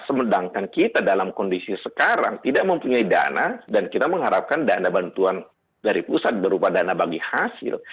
sedangkan kita dalam kondisi sekarang tidak mempunyai dana dan kita mengharapkan dana bantuan dari pusat berupa dana bagi hasil